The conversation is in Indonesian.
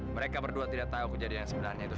mereka berdua tidak tahu kejadiannya